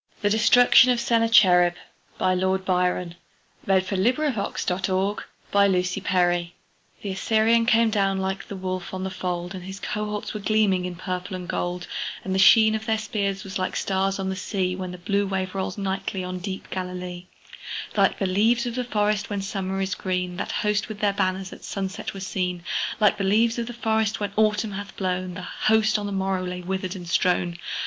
She Walks in Beauty Stanzas To Augusta The Destruction of Sennacherib When We Two Parted The Assyrian came down like the wolf on the fold, And his cohorts were gleaming in purple and gold; And the sheen of their spears was like stars on the sea, When the blue wave rolls nightly on deep Galilee. Like the leaves of the forest when Summer is green, That host with their banners at sunset were seen: Like the leaves of the forest when Autumn hath blown, That host on the morrow lay withered and strown.